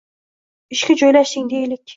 Ishga joylashding, deylik